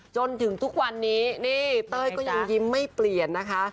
จนถึงทุกวันนี้นี่เต้ยก็ยังยิ้มไม่เปลี่ยนนะคะ